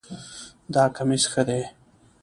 دا کمیس ښه ده